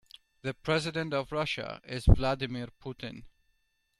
The president of Russia is Vladimir Putin.